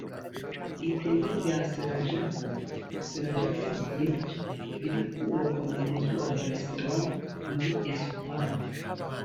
Iteme rya Sarajevo (Sarajevo Brigde) riri kubakwa mu Mujyi wa Barcelone muri Espagne